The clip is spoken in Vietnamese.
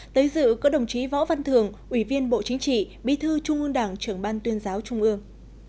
tới dự có đồng chí võ văn thường ủy viên bộ chính trị bí thư trung ương đảng trưởng ban tuyên giáo trung ương